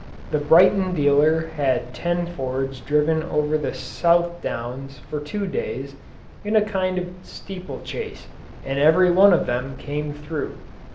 The Brighton dealer had ten Fords driven over the South Downs for two days in a kind of steeplechase and every one of them came through.